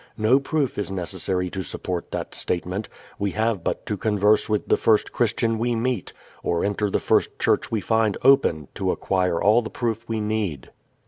No proof is necessary to support that statement. We have but to converse with the first Christian we meet or enter the first church we find open to acquire all the proof we need.